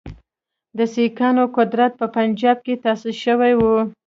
د سیکهانو قدرت په پنجاب کې تاسیس شوی وو.